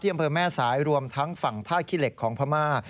อำเภอแม่สายรวมทั้งฝั่งท่าขี้เหล็กของพม่า